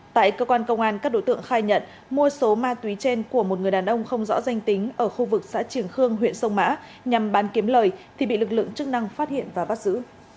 tại cơ quan công an các đối tượng khai nhận mua số ma túy trên của một người đàn ông không rõ danh tính ở khu vực xã trường khương huyện sông mã nhằm bán kiếm lời thì bị lực lượng chức năng phát hiện và bắt giữ